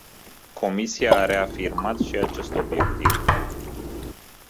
Comisia a reafirmat și acest obiectiv.